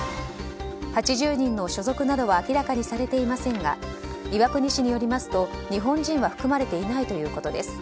８０人の所属などは明らかにされていませんが岩国市によりますと、日本人は含まれていないということです。